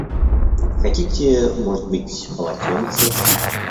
Хотите, может быть, полотенце?